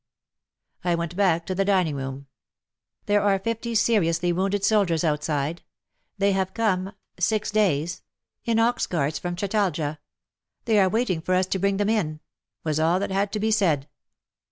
I went back to the dining room. " There are fifty seriously wounded soldiers outside. They have come — six days — in ox carts from ii8 WAR AND WOMEN Chatalja. They are waiting for us to bring them in " was all that had to be said.